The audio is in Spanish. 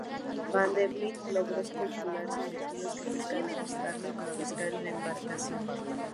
Vanderbilt logró escabullirse de aquellos que buscaban arrestarlo y confiscar su embarcación.